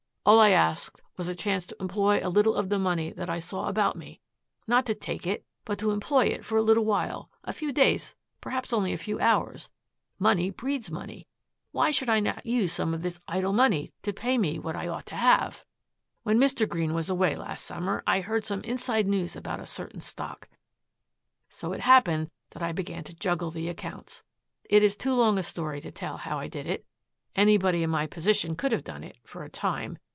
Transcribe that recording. All I asked was a chance to employ a little of the money that I saw about me not to take it, but to employ it for a little while, a few days, perhaps only a few hours. Money breeds money. Why should I not use some of this idle money to pay me what I ought to have? "When Mr. Green was away last summer I heard some inside news about a certain stock. So it happened that I began to juggle the accounts. It is too long a story to tell how I did it. Anybody in my position could have done it for a time.